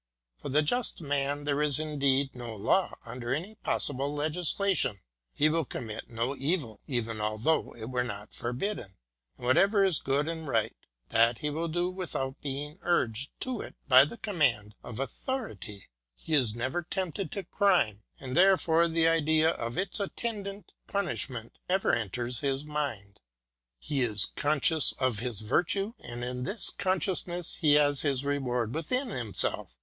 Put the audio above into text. For the just man there is indeed no law under any possible legislation; he will com mit no evil even although it were not forbidden, and whatso ever is good and right, that he will do without being urged to it by the command of authority ; he is never tempted to crime, and therefore the idea of its attendant punishment never enters his mind. He is conscious of his virtue, and in this consciousness he has his reward within himself.